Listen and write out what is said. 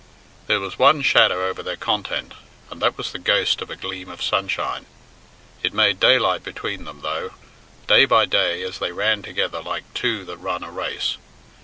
There was one shadow over their content, and that was the ghost of a gleam of sunshine. It made daylight between them, though, day by day as they ran together like two that run a race.